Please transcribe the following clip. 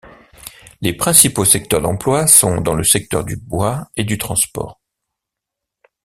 Les principaux secteurs d'emploi sont dans le secteur du bois et du transport.